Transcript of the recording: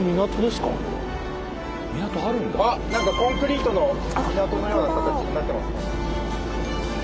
何かコンクリートの港のような形になってますね。